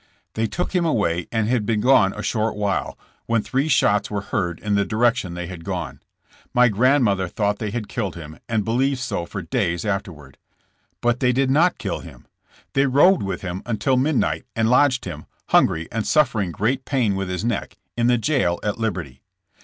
They took him away and had been gone a short while, when three shots were heard in the direction they had gone. My grandmother thought they had killed him, and believed so for days afterward. But they did not kill him. They rode with him until midnight and lodged him, hungry and suffering great pain with his neck, in the jail at Liberty.